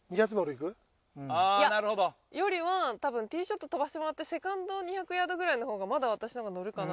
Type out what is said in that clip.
いやよりはたぶんティショット飛ばしてもらってセカンド２００ヤードくらいのほうがまだ私の方が乗るかな。